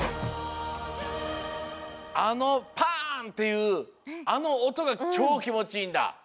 あのパンっていうあのおとがチョーきもちいいんだ。